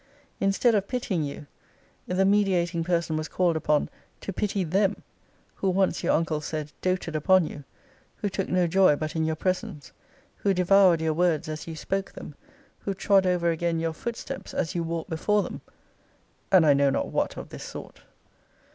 Instead of pitying you, the mediating person was called upon 'to pity them; who once, your uncle said, doated upon you: who took no joy but in your presence: who devoured your words as you spoke them: who trod over again your footsteps, as you walked before them.' And I know not what of this sort.